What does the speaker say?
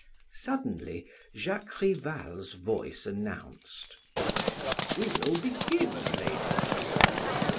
Suddenly Jacques Rival's voice announced: "We will begin, ladies."